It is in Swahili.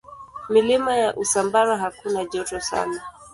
Milima ya Usambara hakuna joto sana.